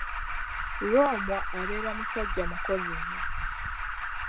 Lwomwa abeera musajja mukozi nnyo.